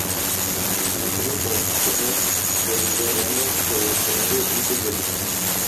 Se define como cristiano, bolivariano, revolucionario y socialista.